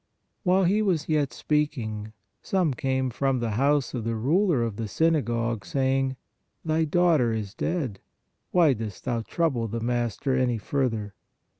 While He was yet speaking, some came from the house of the ruler of the synagogue, saying: Thy daughter is dead ; why dost thou trouble the Master any further?